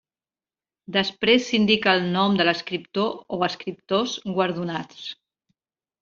Després s'indica el nom de l'escriptor o escriptors guardonats.